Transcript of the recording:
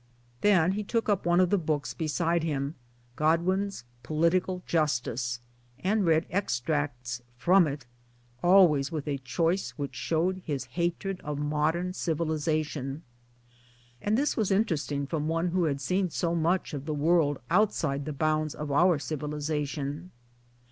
Then he took up one of the books beside him a Godwin's Political Justice, and read extracts from it always with a choice which showed his hatred of modern Civilization. (And this was inter esting from one who had seen so much of the world outside the bounds of our civilization.)